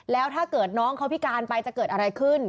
แล้วถ้าเกิดน้องเขาพิการไปจะเกิดอะไรขึ้น